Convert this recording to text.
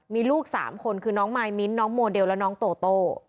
มีลูก๓คนคือน้องมายมิ้นท์น้องโมเดลและน้องโตโต้